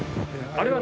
あれは。